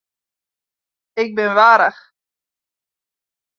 Ik bin warch.